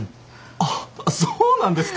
あっそうなんですか。